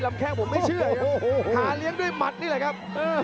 แข้งผมไม่เชื่อหาเลี้ยงด้วยหมัดนี่แหละครับ